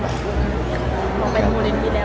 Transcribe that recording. ของเป็นมูลินที่แล้วเรื่องของกิจกรรมอะไรอย่างเงี้ย